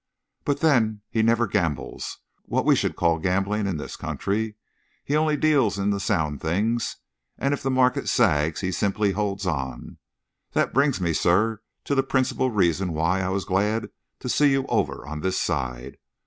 "But then he never gambles what we should call gambling in this country. He only deals in the sound things, and if the market sags he simply holds on. That brings me, sir, to the principal reason why I was glad to see you over on this side.